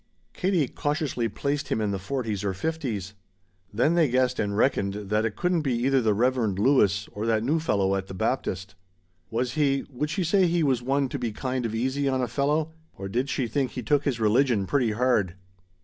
Katie cautiously placed him in the forties or fifties. Then they guessed and reckoned that it couldn't be either the Reverend Lewis or that new fellow at the Baptist. Was he would she say he was one to be kind of easy on a fellow, or did she think he took his religion pretty hard?